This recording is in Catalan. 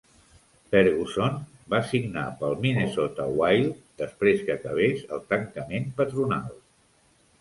Ferguson va signar pel Minnesota Wild després que acabés el tancament patronal.